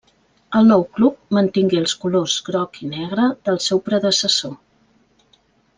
El nou club mantingué els colors groc i negre del seu predecessor.